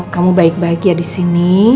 kamu baik baik ya di sini